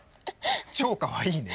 超かわいいね。